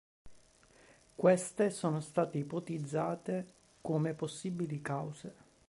Queste sono state ipotizzate come possibili cause.